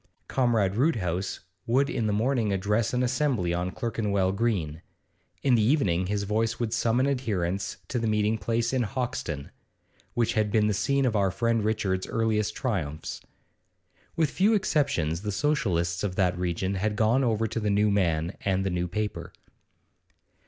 Comrade Roodhouse would in the morning address an assembly on Clerkenwell Green; in the evening his voice would summon adherents to the meeting place in Hoxton which had been the scene of our friend Richard's earliest triumphs. With few exceptions the Socialists of that region had gone over to the new man and the new paper.